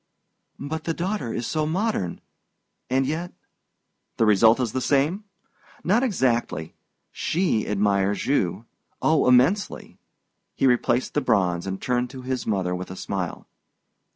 "But the daughter is so modern and yet " "The result is the same? Not exactly. She admires you oh, immensely!" He replaced the bronze and turned to his mother with a smile.